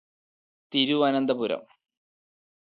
Thiruvananthapuram